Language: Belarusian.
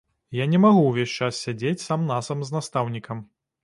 Я не магу ўвесь час сядзець сам-насам з настаўнікам.